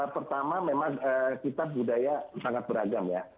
pertama memang kita budaya sangat beragam ya